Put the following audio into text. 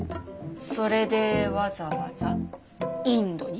それでわざわざインドに？